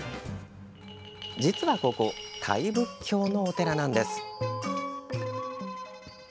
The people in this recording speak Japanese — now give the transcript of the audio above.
実はここタイ仏教のお寺なんです。